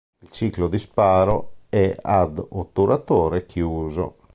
Il ciclo di sparo è ad otturatore chiuso.